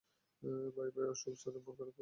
Bye-bye Ashok স্যারের মন খারাপ কেন?